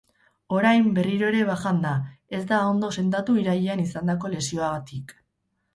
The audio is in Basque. Orain berriro ere bajan da, ez da ondo sendatu irailean izandako lesioatik.